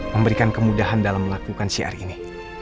memberikan kemudahan dalam melakukan syiar ini